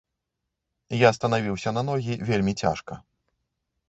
Я станавіўся на ногі вельмі цяжка.